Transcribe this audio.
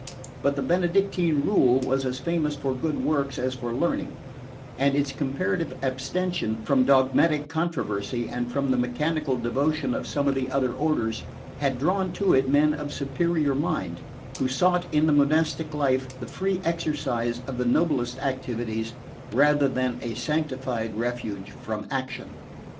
But the Benedictine rule was as famous for good works as for learning, and its comparative abstention from dogmatic controversy and from the mechanical devotion of some of the other orders had drawn to it men of superior mind, who sought in the monastic life the free exercise of the noblest activities rather than a sanctified refuge from action.